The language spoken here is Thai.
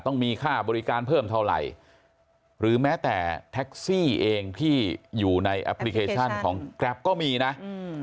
ต้องมีค่าบริการเพิ่มเท่าไหร่หรือแม้แต่แท็กซี่เองที่อยู่ในแอปพลิเคชันของแกรปก็มีนะอืม